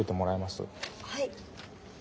はい。